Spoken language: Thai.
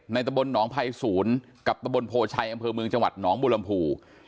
ตะบลหนองภัยศูนย์กับตะบนโพชัยอำเภอเมืองจังหวัดหนองบุรมภู